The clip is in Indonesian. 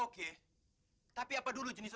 sehingga kumala teras